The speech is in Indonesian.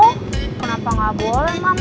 oh kenapa gak boleh mam